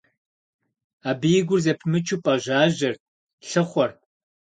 Абы и гур зэпымычу пӏэжьажьэрт, лъыхъуэрт.